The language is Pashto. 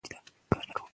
له ښوونکي مرسته وغواړه.